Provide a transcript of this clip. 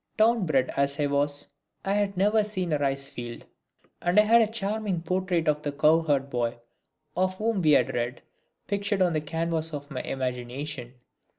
Town bred as I was, I had never seen a rice field, and I had a charming portrait of the cowherd boy, of whom we had read, pictured on the canvas of my imagination.